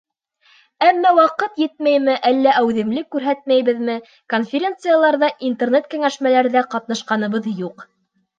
Әммә, ваҡыт етмәйме, әллә әүҙемлек күрһәтмәйбеҙме — конференцияларҙа, Интернет-кәңәшмәләрҙә ҡатнашҡаныбыҙ юҡ.